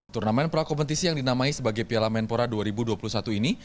turnamen prakompetisi yang dinamai sebagai piala menpora dua ribu dua puluh satu ini